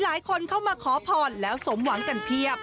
หลายคนเข้ามาขอพรแล้วสมหวังกันเพียบ